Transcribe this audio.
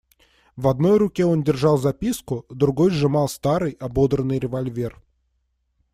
В одной руке он держал записку, другой сжимал старый, ободранный револьвер.